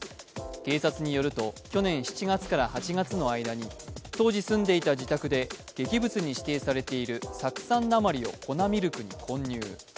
警察によると、去年７月から８月の間に当時住んでいた自宅で劇物に指定されている酢酸鉛を粉ミルクに混入。